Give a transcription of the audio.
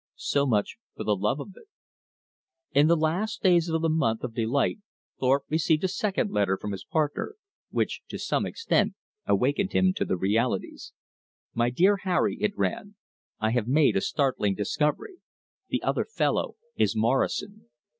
So much for the love of it. In the last days of the month of delight Thorpe received a second letter from his partner, which to some extent awakened him to the realities. "My dear Harry," it ran. "I have made a startling discovery. The other fellow is Morrison.